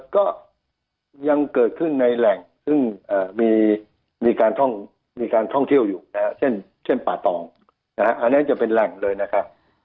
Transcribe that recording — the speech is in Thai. ก็ยังเกิดขึ้นในแหล่งซึ่งมีการท่องเที่ยวอยู่นะฮะเช่นป่าตองอันนี้จะเป็นแหล่งเลยนะครับ